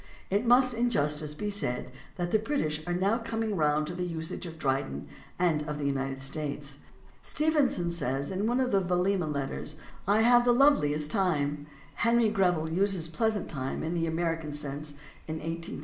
It must in justice be said that the British are now coming round to the usage of Dryden and of the United States. Stevenson says in one of the Vailima Letters :" I have the loveliest time." Henry Greville uses "pleasant time" in the American sense in 1854 (vol.